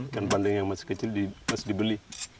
ikan panding yang masih kecil di beli